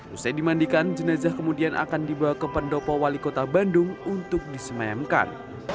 usai dimandikan jenazah kemudian akan dibawa ke pendopo wali kota bandung untuk disemayamkan